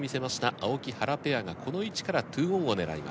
青木・原ペアがこの位置から２オンを狙います。